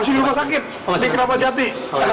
masih di rumah sakit di kramat jati